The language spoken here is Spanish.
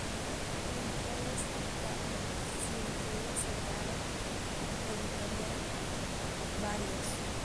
Editores: David Cienfuegos Salgado, Editorial: Varios.